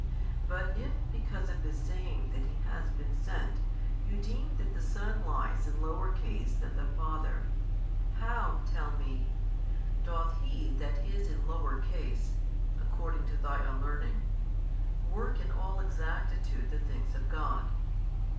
But if because of His saying that He has been sent, you deem that the Son lies in lower case than the Father, how (tell me) doth He That is in lower case, according to thy unlearning, work in all exactitude the things of God?